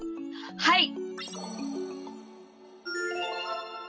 はい！